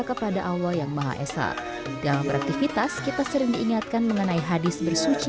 kepada allah yang maha esa dalam beraktivitas kita sering diingatkan mengenai hadis bersuci